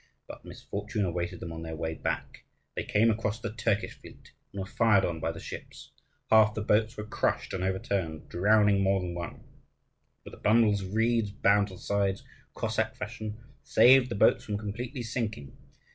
But misfortune awaited them on their way back. They came across the Turkish fleet, and were fired on by the ships. Half the boats were crushed and overturned, drowning more than one; but the bundles of reeds bound to the sides, Cossack fashion, saved the boats from completely sinking.